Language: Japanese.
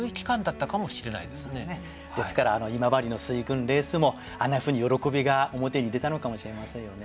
ですからあの今治の水軍レースもあんなふうに喜びが表に出たのかもしれませんよね。